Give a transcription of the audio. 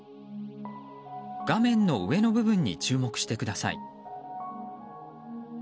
画面の上の部分に注目してください。